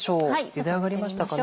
ゆで上がりましたかね。